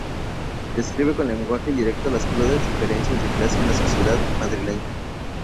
Describe con lenguaje directo las crudas diferencias de clase en la sociedad madrileña.